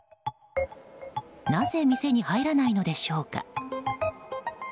なぜ店に入らないのでしょうか？